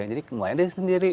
jadi mulainya dari sendiri